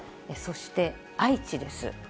そして愛知です。